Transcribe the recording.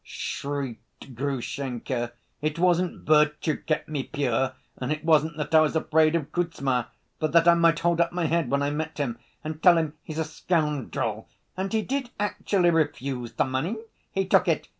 shrieked Grushenka. "It wasn't virtue kept me pure, and it wasn't that I was afraid of Kuzma, but that I might hold up my head when I met him, and tell him he's a scoundrel. And he did actually refuse the money?" "He took it!